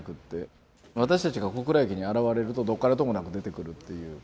私たちが小倉駅に現れるとどこからともなく出てくるっていう。